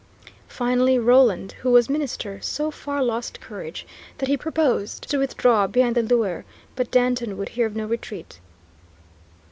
Finally, Roland, who was minister, so far lost courage that he proposed to withdraw beyond the Loire, but Danton would hear of no retreat.